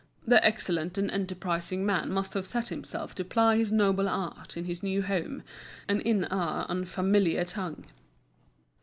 This excellent and enterprising man must have set himself to ply his noble art in his new home, and in our unfamiliar tongue.